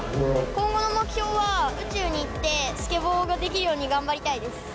今後の目標は、宇宙に行って、スケボーができるように頑張りたいです。